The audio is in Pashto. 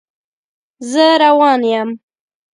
زه روان یم